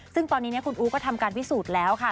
ซึ่งตอนนี้คุณอู๋ก็ทำการพิสูจน์แล้วค่ะ